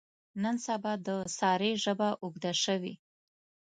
نن سبا د سارې ژبه اوږده شوې.